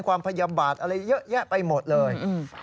พยาบาลอะไรเยอะแยะไปหมดเลย